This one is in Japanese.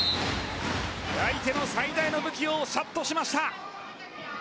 相手の最大の武器をシャットしました。